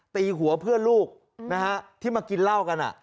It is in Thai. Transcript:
ตีหัวเพื่อนลูกที่มากินเหล้ากัน